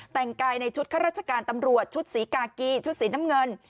แต่งกายในชุดข้าราชการตำรวจชุดสีกากีชุดสีน้ำเงิน